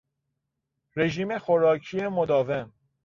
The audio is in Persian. رژیم خوراکی مداوم